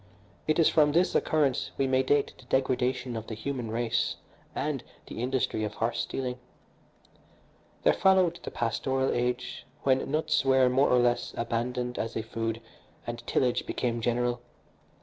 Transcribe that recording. It is from this occurrence we may date the degradation of the human race and the industry of horse stealing. There followed the pastoral age, when nuts were, more or less, abandoned as a food and tillage became general.